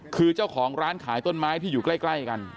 คือเจ้าของร้านขายต้นไม้ที่อยู่ใกล้กัน